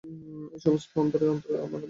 এখানে সমস্তটাই অন্তরে অন্তরে আমার যেন অপমান।